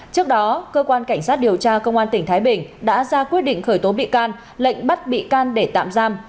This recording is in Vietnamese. trước đó cơ quan cảnh sát điều tra công an tỉnh thái bình đã ra quyết định khởi tố bị can lệnh bắt bị can để tạm giam